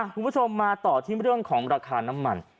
คุณผู้ชมมาต่อที่เรื่องของราคาน้ำมัน